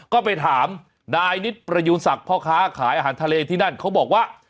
ก็ไปถามนายนิดประยูศักดิ์พ่อค้าขายอาหารทะเลที่นั่นเขาบอกว่า